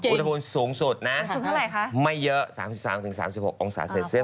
อุณหภูมิสูงสุดนะไม่เยอะ๓๓๖องศาเซลเซียส